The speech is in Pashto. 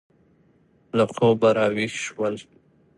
له خوبه را ویښ شول.